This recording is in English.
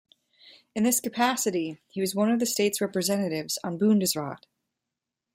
In this capacity, he was one of the state's representatives on the Bundesrat.